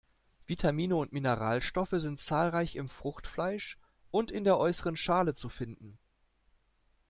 Vitamine und Mineralstoffe sind zahlreich im Fruchtfleisch und in der äußeren Schale zu finden.